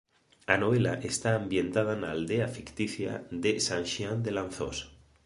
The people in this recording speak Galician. A novela está ambientada na aldea ficticia de San Xián de Lanzós.